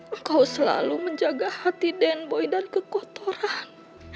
engkau selalu menjaga hati den boy dan kekotoran